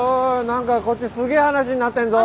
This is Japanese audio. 何かこっちすげえ話になってんぞ。